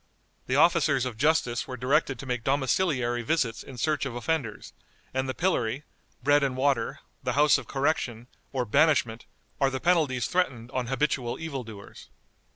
The officers of justice were directed to make domiciliary visits in search of offenders, and the pillory, bread and water, the House of Correction, or banishment, are the penalties threatened on habitual evil doers.